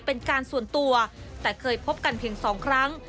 เป็นการส่วนตัวแต่เคยพบกันเพียงสองครั้ง